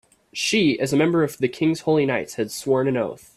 She, as a member of the king's holy knights, had sworn an oath.